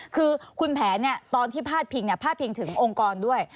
คือคุณแผนตอนที่พาดพิงพาดพิงถึงองค์กรด้วย